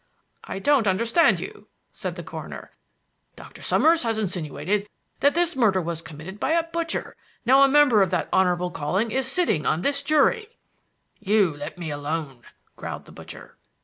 "I don't understand you," said the coroner. "Doctor Summers has insinuated that this murder was committed by a butcher. Now a member of that honorable calling is sitting on this jury " "You let me alone," growled the butcher.